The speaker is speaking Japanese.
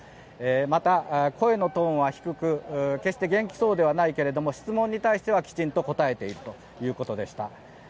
また、声のトーンは低く決して元気そうではないけど質問に対してはきちんと答えているということでした。